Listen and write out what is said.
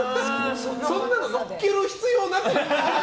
そんなの乗っける必要なくない？